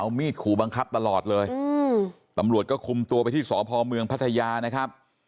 มีดขู่บังคับตลอดเลยอืมตำรวจก็คุมตัวไปที่สพเมืองพัทยานะครับ